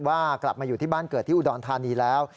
ว่ากลับมาอยู่ที่บ้านเกิดที่อุดรธานีแล้ว